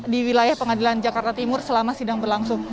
di wilayah pengadilan jakarta timur selama sidang berlangsung